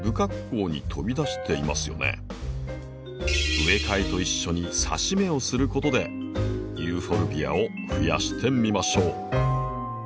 植え替えと一緒にさし芽をすることでユーフォルビアをふやしてみましょう。